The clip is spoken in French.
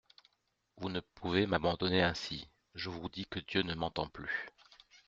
Vous ne pouvez m'abandonner ainsi … Je vous dis que Dieu ne m'entend plus.